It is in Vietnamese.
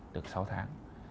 được sáu tháng